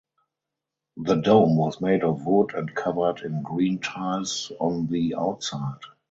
The dome was made of wood and covered in green tiles on the outside.